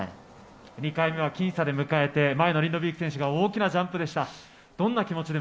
２回目は僅差で迎えて、前のリンドビーク選手が大きなジャンプでした。